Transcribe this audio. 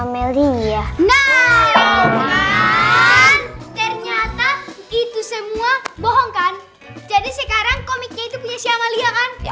melia nah ternyata itu semua bohong kan jadi sekarang komiknya itu punya si amalia kan ya